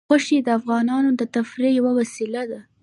غوښې د افغانانو د تفریح یوه وسیله ده.